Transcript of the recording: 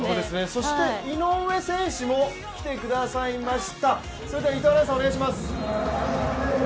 そして井上選手も来てくださいました。